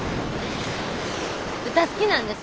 歌好きなんです。